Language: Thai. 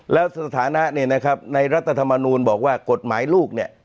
แล้วสถานะเนี่ยนะครับในรัฐธรรมนูลบอกว่ากฎหมายลูกเนี่ย